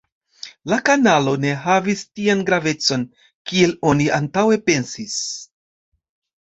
La kanalo ne havis tian gravecon, kiel oni antaŭe pensis.